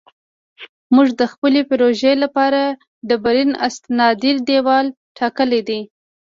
موږ د خپلې پروژې لپاره ډبرین استنادي دیوال ټاکلی دی